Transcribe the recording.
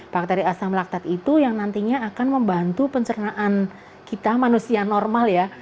bakteri asam laktat itu yang nantinya akan membantu pencernaan kita manusia normal ya